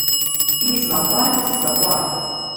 Imi-s d ameqran, afus-is d aquran.